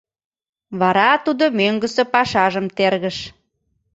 Вара тудо мӧҥгысӧ пашажым тергыш.